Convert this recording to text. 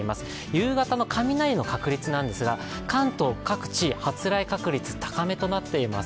夕方の雷の確率なんですが各地発雷確率高めとなっています。